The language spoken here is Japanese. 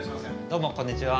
どうもこんにちは。